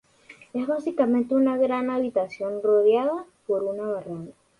Es básicamente una gran habitación rodeada por una baranda.